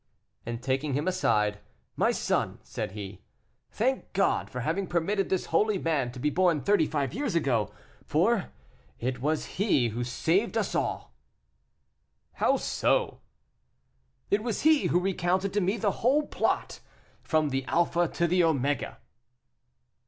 And, taking him aside, "My son," said he, "thank God for having permitted this holy man to be born thirty five years ago, for it is he who has saved us all." "How so?" "It was he who recounted to me the whole plot, from the alpha to the omega."